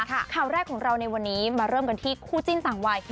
ข่าวแรกของเราในวันนี้มาเริ่มกันที่คู่จิ้นต่างวัย